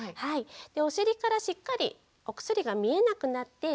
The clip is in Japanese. でお尻からしっかりお薬が見えなくなって。